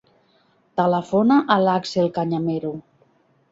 Telefona a l'Axel Cañamero.